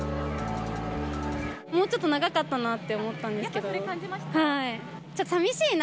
もうちょっと長かったなって思ったんですけど。